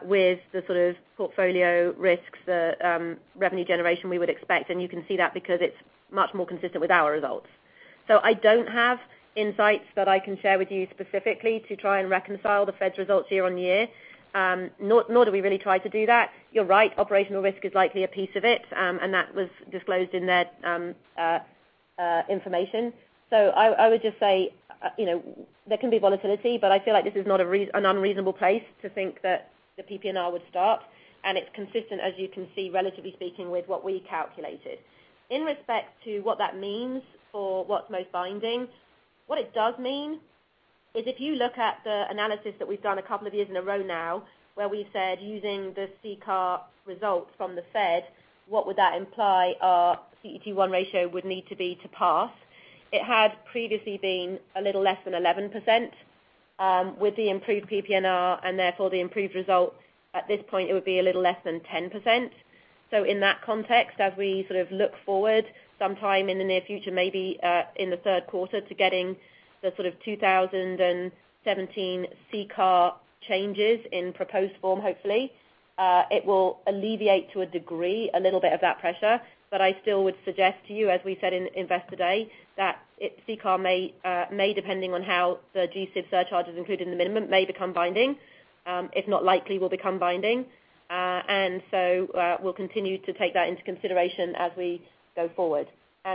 S2: with the sort of portfolio risks, the revenue generation we would expect. You can see that because it's much more consistent with our results. I don't have insights that I can share with you specifically to try and reconcile the Fed's results year-on-year. Nor do we really try to do that. You're right, operational risk is likely a piece of it, that was disclosed in their information. I would just say, there can be volatility, but I feel like this is not an unreasonable place to think that the PPNR would start, and it's consistent, as you can see, relatively speaking, with what we calculated. In respect to what that means for what's most binding, what it does mean is if you look at the analysis that we've done a couple of years in a row now, where we said using the CCAR results from the Fed, what would that imply our CET1 ratio would need to be to pass? It had previously been a little less than 11%. With the improved PPNR and therefore the improved result, at this point it would be a little less than 10%. In that context, as we look forward, sometime in the near future, maybe in the third quarter, to getting the sort of 2017 CCAR changes in proposed form hopefully, it will alleviate to a degree a little bit of that pressure. I still would suggest to you, as we said in Investor Day, that CCAR may, depending on how the G-SIB surcharge is included in the minimum, may become binding. If not likely will become binding. We'll continue to take that into consideration as we go forward.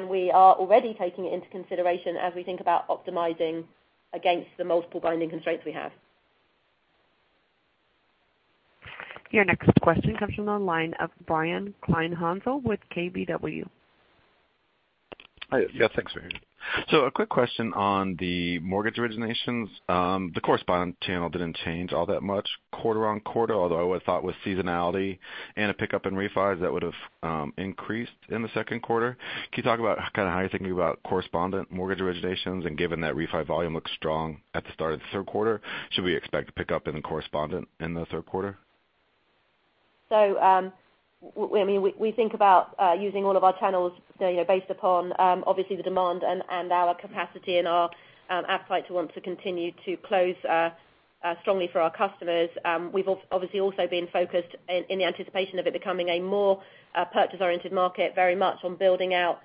S2: We are already taking it into consideration as we think about optimizing against the multiple binding constraints we have.
S1: Your next question comes from the line of Brian Kleinhanzl with KBW.
S14: Yes, thanks very much. A quick question on the mortgage originations. The correspondent channel didn't change all that much quarter-on-quarter, although I would've thought with seasonality and a pickup in refis, that would've increased in the second quarter. Can you talk about how you're thinking about correspondent mortgage originations? Given that refi volume looks strong at the start of the third quarter, should we expect a pickup in the correspondent in the third quarter?
S2: We think about using all of our channels based upon, obviously, the demand and our capacity and our appetite to want to continue to close strongly for our customers. We've obviously also been focused in the anticipation of it becoming a more purchase-oriented market, very much on building out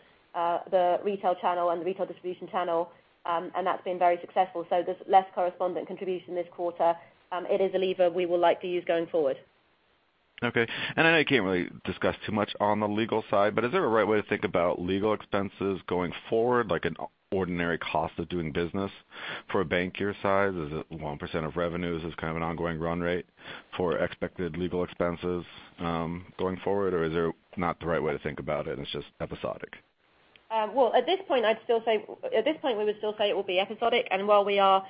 S2: the retail channel and the retail distribution channel, and that's been very successful. There's less correspondent contribution this quarter. It is a lever we will like to use going forward.
S14: Okay. I know you can't really discuss too much on the legal side, but is there a right way to think about legal expenses going forward, like an ordinary cost of doing business for a bank your size? Is it 1% of revenues as kind of an ongoing run rate for expected legal expenses going forward? Or is there not the right way to think about it, and it's just episodic?
S2: Well, at this point we would still say it will be episodic. While we are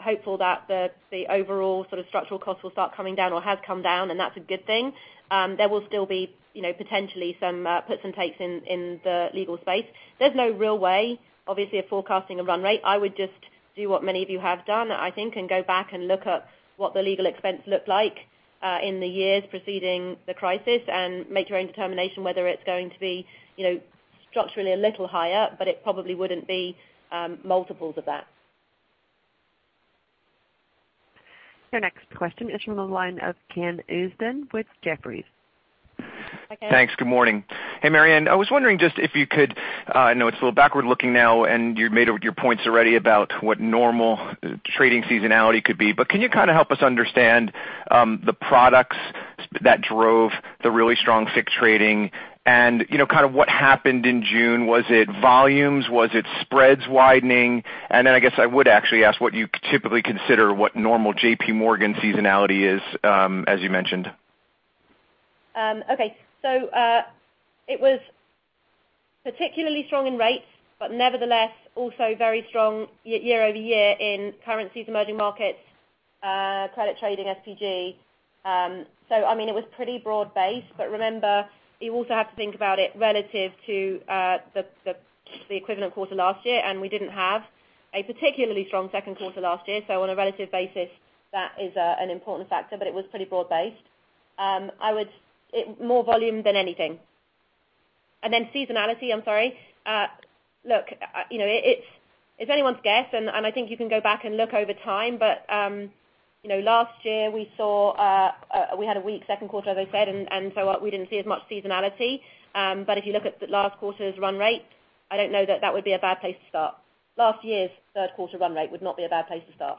S2: hopeful that the overall structural cost will start coming down or has come down, and that's a good thing, there will still be potentially some puts and takes in the legal space. There's no real way, obviously, of forecasting a run rate. I would just do what many of you have done, I think, and go back and look at what the legal expense looked like in the years preceding the crisis and make your own determination whether it's going to be structurally a little higher, but it probably wouldn't be multiples of that.
S1: Your next question is from the line of Ken Usdin with Jefferies.
S2: Hi, Ken.
S15: Thanks. Good morning. Hey, Marianne. I was wondering just if you could, I know it's a little backward-looking now, and you made your points already about what normal trading seasonality could be. Can you kind of help us understand the products that drove the really strong FICC trading and kind of what happened in June? Was it volumes? Was it spreads widening? I guess I would actually ask what you typically consider what normal JPMorgan seasonality is, as you mentioned.
S2: Okay. It was particularly strong in rates, but nevertheless, also very strong year-over-year in currencies, emerging markets, credit trading, SPG. I mean, it was pretty broad-based, but remember, you also have to think about it relative to the equivalent quarter last year, and we didn't have a particularly strong second quarter last year. On a relative basis, that is an important factor, but it was pretty broad-based. More volume than anything. Seasonality, I'm sorry. Look, it's anyone's guess, and I think you can go back and look over time, but last year we had a weak second quarter, as I said, and so we didn't see as much seasonality. If you look at last quarter's run rate, I don't know that that would be a bad place to start. Last year's third quarter run rate would not be a bad place to start.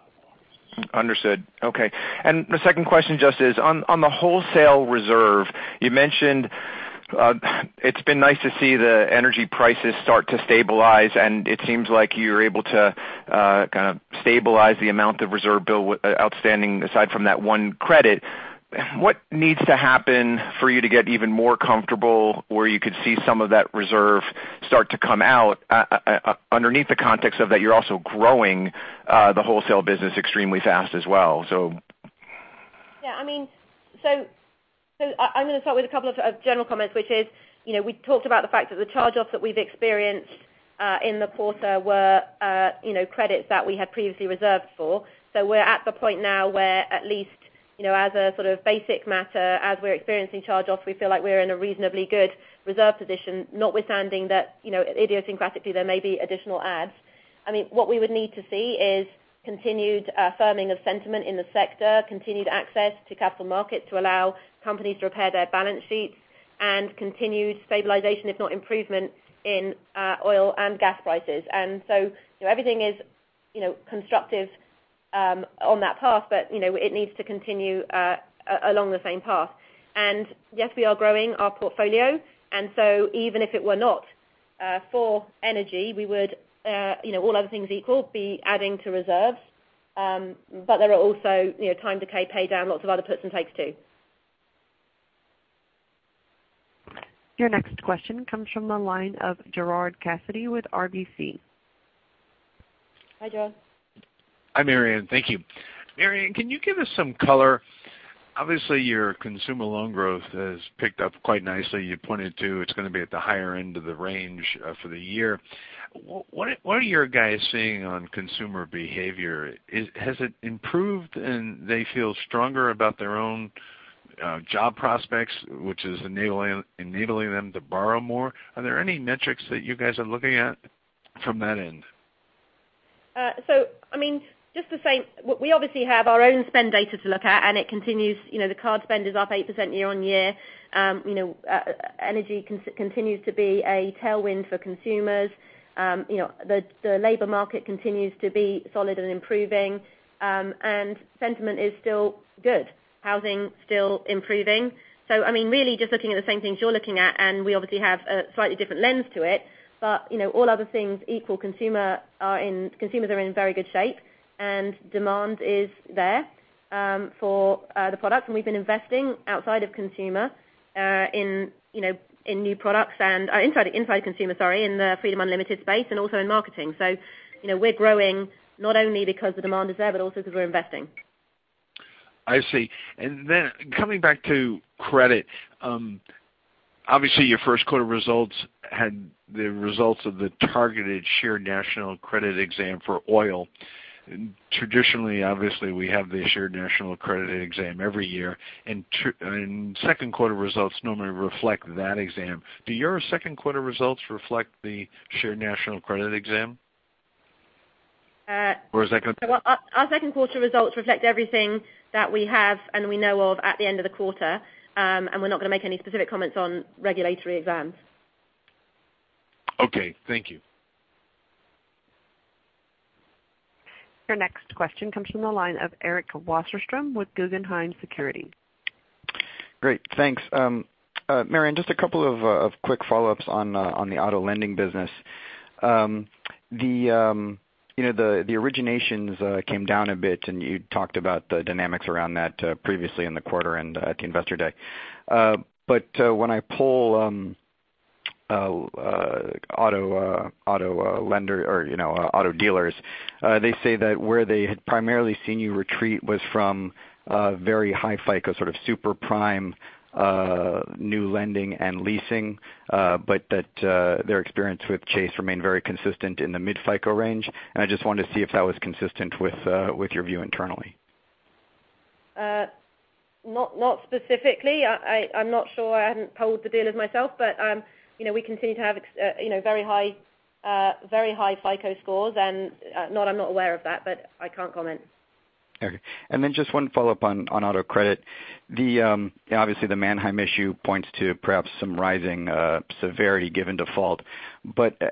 S15: Understood. Okay. The second question just is on the wholesale reserve, you mentioned it's been nice to see the energy prices start to stabilize, and it seems like you're able to stabilize the amount of reserve build outstanding aside from that one credit. What needs to happen for you to get even more comfortable where you could see some of that reserve start to come out, underneath the context of that you're also growing the wholesale business extremely fast as well?
S2: Yeah. I'm going to start with a couple of general comments, which is, we talked about the fact that the charge-offs that we've experienced in the quarter were credits that we had previously reserved for. We're at the point now where at least, as a sort of basic matter, as we're experiencing charge-offs, we feel like we're in a reasonably good reserve position, notwithstanding that, idiosyncratically, there may be additional adds. What we would need to see is continued firming of sentiment in the sector, continued access to capital markets to allow companies to repair their balance sheets, and continued stabilization, if not improvement, in oil and gas prices. Everything is constructive on that path, but it needs to continue along the same path. Yes, we are growing our portfolio, and so even if it were not for energy, we would, all other things equal, be adding to reserves. There are also time decay, pay down, lots of other puts and takes, too.
S1: Your next question comes from the line of Gerard Cassidy with RBC.
S2: Hi, Gerard.
S16: Hi, Marianne. Thank you. Marianne, can you give us some color? Obviously, your consumer loan growth has picked up quite nicely. You pointed to it's going to be at the higher end of the range for the year. What are your guys seeing on consumer behavior? Has it improved and they feel stronger about their own job prospects, which is enabling them to borrow more? Are there any metrics that you guys looking at from that end?
S2: We obviously have our own spend data to look at. It continues. The card spend is up 8% year-on-year. Energy continues to be a tailwind for consumers. The labor market continues to be solid and improving. Sentiment is still good. Housing's still improving. Really just looking at the same things you're looking at, and we obviously have a slightly different lens to it. All other things equal, consumers are in very good shape, and demand is there for the products. We've been investing outside of consumer in new products and inside consumer, sorry, in the Freedom Unlimited space and also in marketing. We're growing not only because the demand is there, but also because we're investing.
S16: I see. Then coming back to credit. Obviously, your first quarter results had the results of the targeted shared national credit exam for oil. Traditionally, obviously, we have the shared national credit exam every year, and second quarter results normally reflect that exam. Do your second quarter results reflect the shared national credit exam? Is that going to-
S2: Our second quarter results reflect everything that we have and we know of at the end of the quarter. We're not going to make any specific comments on regulatory exams.
S16: Okay. Thank you.
S1: Your next question comes from the line of Eric Wasserstrom with Guggenheim Securities.
S17: Great. Thanks. Marianne, just a couple of quick follow-ups on the auto lending business. The originations came down a bit. You talked about the dynamics around that previously in the quarter and at the Investor Day. When I poll auto dealers, they say that where they had primarily seen you retreat was from a very high FICO, sort of super prime new lending and leasing, but that their experience with Chase remained very consistent in the mid-FICO range. I just wanted to see if that was consistent with your view internally.
S2: Not specifically. I'm not sure. I haven't polled the dealers myself, but we continue to have very high FICO scores and I'm not aware of that, but I can't comment.
S17: Okay. Then just one follow-up on auto credit. Obviously, the Manheim issue points to perhaps some rising severity given default.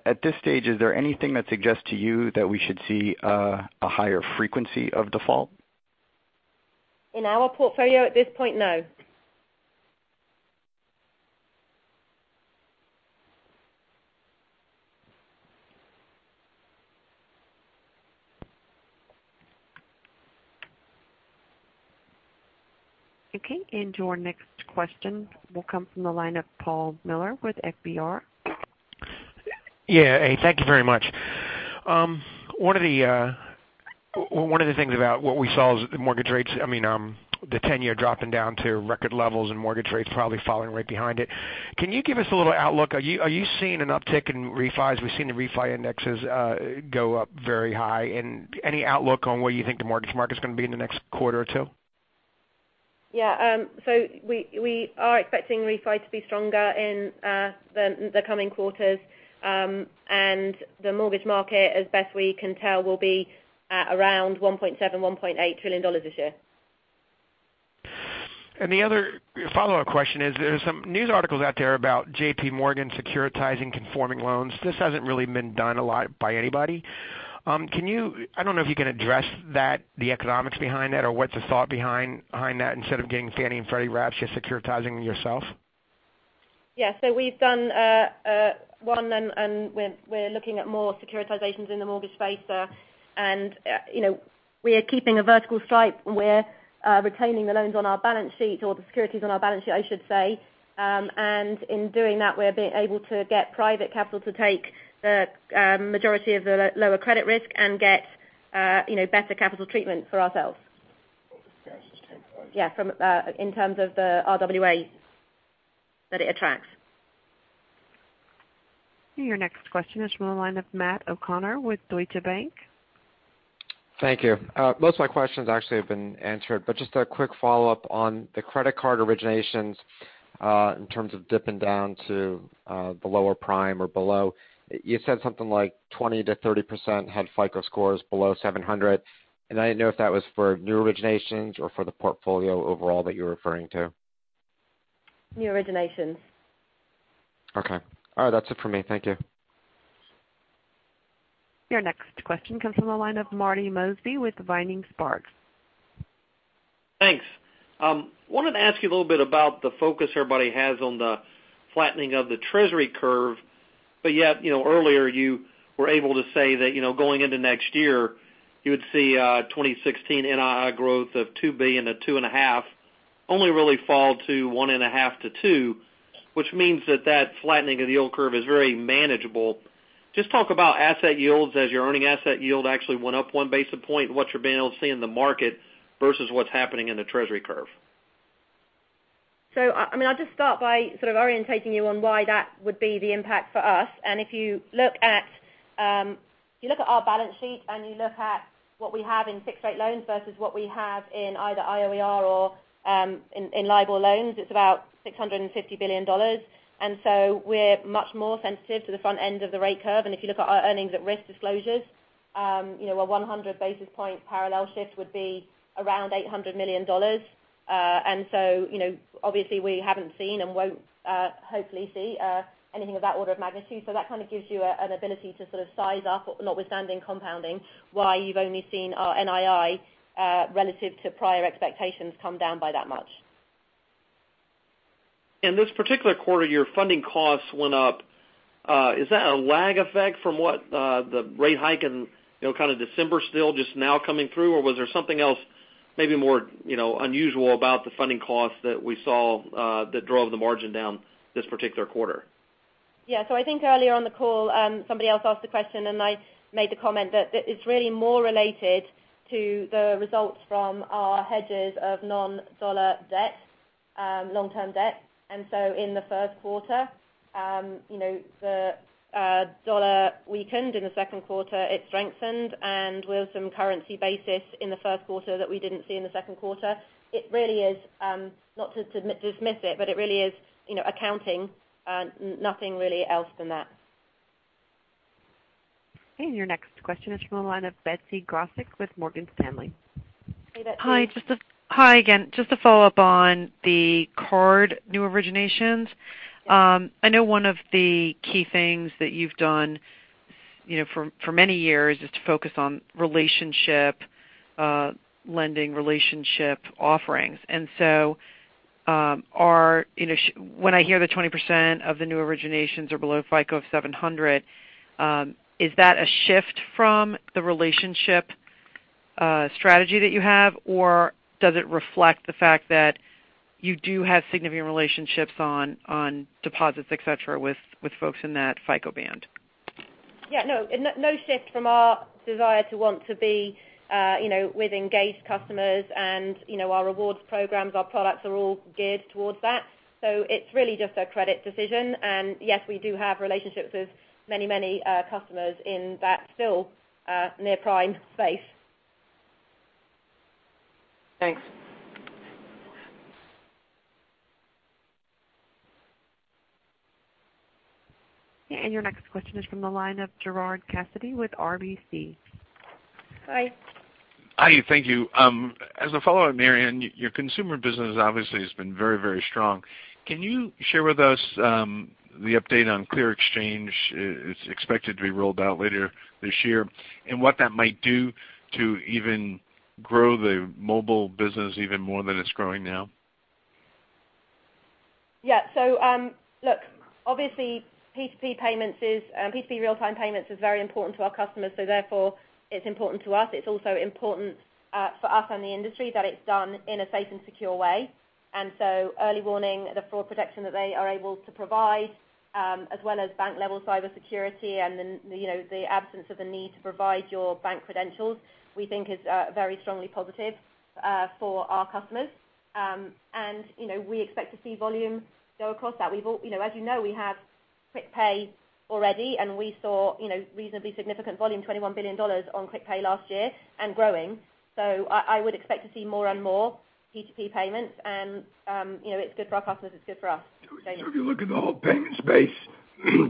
S17: At this stage, is there anything that suggests to you that we should see a higher frequency of default?
S2: In our portfolio at this point, no.
S1: Okay. Our next question will come from the line of Paul Miller with FBR.
S18: Hey, thank you very much. One of the things about what we saw is the 10-year dropping down to record levels and mortgage rates probably following right behind it. Can you give us a little outlook? Are you seeing an uptick in refis? We've seen the refi indexes go up very high. Any outlook on where you think the mortgage market's going to be in the next quarter or two?
S2: We are expecting refi to be stronger in the coming quarters. The mortgage market, as best we can tell, will be at around $1.7 trillion-$1.8 trillion this year.
S18: The other follow-up question is there are some news articles out there about JPMorgan securitizing conforming loans. This hasn't really been done a lot by anybody. I don't know if you can address that, the economics behind that or what's the thought behind that instead of getting Fannie and Freddie wraps, you're securitizing them yourself.
S2: We've done one, and we're looking at more securitizations in the mortgage space. We are keeping a vertical stripe. We're retaining the loans on our balance sheet or the securities on our balance sheet, I should say. In doing that, we're being able to get private capital to take the majority of the lower credit risk and get better capital treatment for ourselves. In terms of the RWA that it attracts.
S1: Your next question is from the line of Matt O'Connor with Deutsche Bank.
S19: Thank you. Most of my questions actually have been answered, just a quick follow-up on the credit card originations, in terms of dipping down to the lower prime or below. You said something like 20%-30% had FICO scores below 700, and I didn't know if that was for new originations or for the portfolio overall that you were referring to.
S2: New originations.
S19: Okay. All right. That's it for me. Thank you.
S1: Your next question comes from the line of Marty Mosby with Vining Sparks.
S20: Thanks. Yet, earlier you were able to say that, going into next year, you would see 2016 NII growth of $2 billion-$2.5 billion, only really fall to $1.5 billion-$2 billion, which means that flattening of the yield curve is very manageable. Just talk about asset yields as your earning asset yield actually went up one basis point, and what you're being able to see in the market versus what's happening in the Treasury curve.
S2: I'll just start by sort of orientating you on why that would be the impact for us. If you look at our balance sheet, and you look at what we have in fixed rate loans versus what we have in either IOER or in LIBOR loans, it's about $650 billion. We're much more sensitive to the front end of the rate curve. If you look at our earnings at risk disclosures, a 100-basis point parallel shift would be around $800 million. Obviously we haven't seen and won't hopefully see anything of that order of magnitude. That kind of gives you an ability to sort of size up, notwithstanding compounding, why you've only seen our NII, relative to prior expectations, come down by that much.
S20: In this particular quarter, your funding costs went up. Is that a lag effect from what the rate hike in kind of December still just now coming through? Was there something else maybe more unusual about the funding costs that we saw that drove the margin down this particular quarter?
S2: I think earlier on the call, somebody else asked the question, I made the comment that it's really more related to the results from our hedges of non-dollar debt, long-term debt. In the first quarter, the dollar weakened. In the second quarter, it strengthened. With some currency basis in the first quarter that we didn't see in the second quarter, not to dismiss it, but it really is accounting. Nothing really else than that.
S1: Your next question is from the line of Betsy Graseck with Morgan Stanley.
S2: Betsy.
S6: Hi again. Just to follow up on the card new originations. I know one of the key things that you've done for many years is to focus on relationship lending, relationship offerings. When I hear that 20% of the new originations are below FICO of 700, is that a shift from the relationship strategy that you have? Does it reflect the fact that you do have significant relationships on deposits, et cetera, with folks in that FICO band?
S2: Yeah, no. No shift from our desire to want to be with engaged customers and our rewards programs, our products are all geared towards that. It's really just a credit decision. Yes, we do have relationships with many customers in that still near-prime space.
S6: Thanks.
S1: Your next question is from the line of Gerard Cassidy with RBC.
S2: Hi.
S16: Hi. Thank you. As a follow-up, Marianne, your consumer business obviously has been very strong. Can you share with us the update on clearXchange, it's expected to be rolled out later this year, what that might do to even grow the mobile business even more than it's growing now?
S2: Yeah. Look, obviously, P2P real-time payments is very important to our customers, therefore it's important to us. It's also important for us and the industry that it's done in a safe and secure way. Early Warning, the fraud protection that they are able to provide, as well as bank-level cybersecurity and the absence of the need to provide your bank credentials, we think is very strongly positive for our customers. We expect to see volume go across that. As you know, we have QuickPay already, and we saw reasonably significant volume, $21 billion on QuickPay last year and growing. I would expect to see more and more P2P payments and it's good for our customers, it's good for us.
S10: If you look at the whole payment space,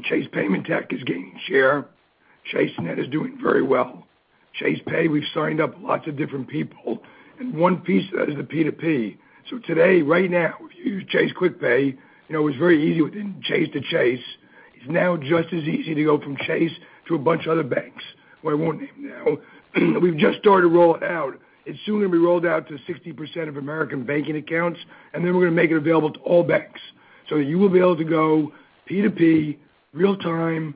S10: Chase Paymentech is gaining share. ChaseNet is doing very well. Chase Pay, we've signed up lots of different people, and one piece of that is the P2P. Today, right now, if you use Chase QuickPay, it was very easy within Chase to Chase. It's now just as easy to go from Chase to a bunch of other banks, who I won't name now. We've just started to roll it out. It's soon going to be rolled out to 60% of American banking accounts, and then we're going to make it available to all banks. You will be able to go P2P real time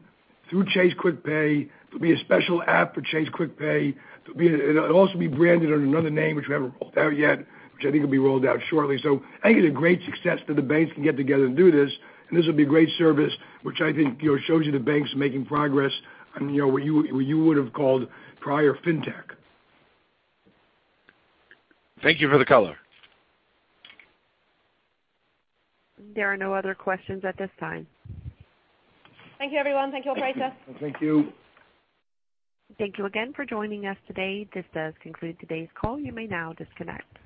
S10: through Chase QuickPay. There'll be a special app for Chase QuickPay. It'll also be branded under another name, which we haven't rolled out yet, which I think will be rolled out shortly. I think it's a great success that the banks can get together and do this, and this will be a great service, which I think shows you the banks are making progress on what you would have called prior fintech.
S16: Thank you for the color.
S1: There are no other questions at this time.
S2: Thank you, everyone. Thank you, operator.
S10: Thank you.
S1: Thank you again for joining us today. This does conclude today's call. You may now disconnect.